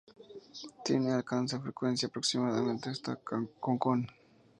Tiene alcance de frecuencia aproximadamente hasta Concón.